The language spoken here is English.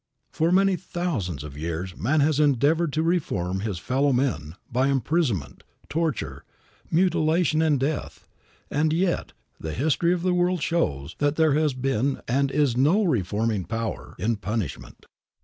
For many thousands of years man has endeavored to reform his fellow men by imprisonment, torture, mutilation and death, and yet the history of the world shows that there has been and is no reforming power in punishment.